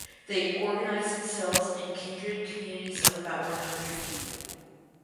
They organised themselves in kindred communities of about one hundred people.